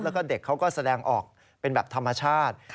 แล้วก็เด็กเขาก็แสดงออกเป็นแบบธรรมชาติ